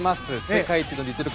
世界一の実力